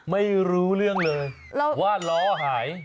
ไม่รู้เรื่องเลยว่าล้อหาย